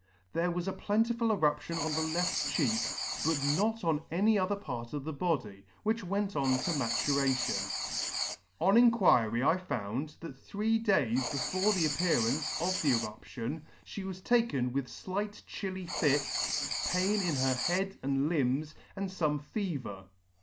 There was a plentiful eruption on the left cheek, but not on any other part of the body , which went on to maturation. On t "9 ]" On inquiry I found, that three days before the appearance of the eruption, (lie was taken with flight chilly fits, pain in her head and limbs, and fome fever.